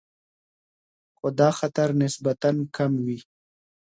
خو دا خطر نسبتاً کم وي.